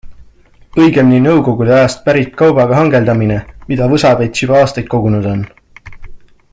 Õigemini nõukogude ajast pärit kaubaga hangeldamine, mida Võsa-Pets juba aastaid kogunud on.